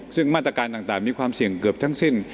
ซึ่งมาตรการต่างมีความเสี่ยงเกือบทั้งสิ้น